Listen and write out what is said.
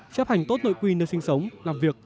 chấp hành tốt nội quy nơi sinh sống làm việc